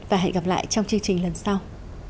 và hẹn gặp lại trong chương trình lần sau